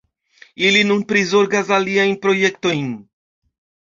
Ili nun prizorgas aliajn projektojn.